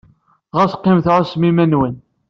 Ɣas qqimet tɛussem iman-nwen.